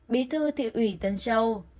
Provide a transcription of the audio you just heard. bí thư thị ủy tân châu